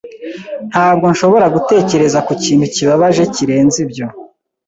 Ntabwo nshobora gutekereza ku kintu kibabaje kirenze ibyo.